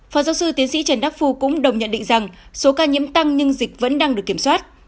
phó giáo sư tiến sĩ trần đắc phu cũng đồng nhận định rằng số ca nhiễm tăng nhưng dịch vẫn đang được kiểm soát